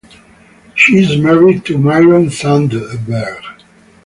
She is married to Myron Sandberg.